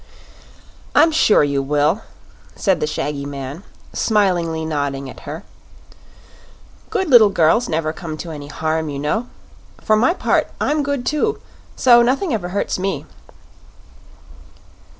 "I'm sure you will," said the shaggy man, smilingly nodding at her. "Good little girls never come to any harm, you know. For my part, I'm good, too; so nothing ever hurts me."